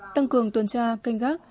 tăng cường tuần tra canh gác